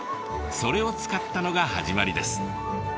それを使ったのが始まりです。